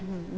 bisa lah ya